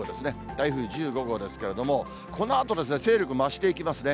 台風１５号ですけれども、このあと勢力増していきますね。